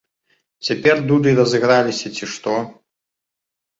Цяпер дуды разыграліся, ці што.